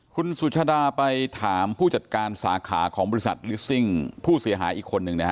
คุณสุชาดาไปถามผู้จัดการสาขาของบริษัทลิสซิ่งผู้เสียหายอีกคนนึงนะฮะ